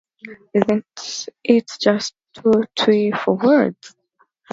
Isn't it just too twee for words!